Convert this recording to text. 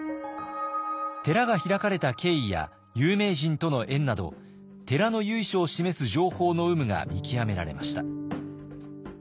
寺が開かれた経緯や有名人との縁など寺の由緒を示す情報の有無が見極められました。